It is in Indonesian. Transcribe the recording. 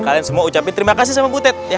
kalian semua ucapin terima kasih sama butet